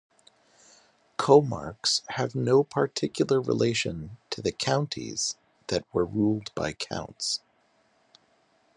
Comarques have no particular relation to the "counties" that were ruled by counts.